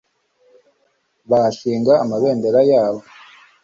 bahashinga amabendera yabo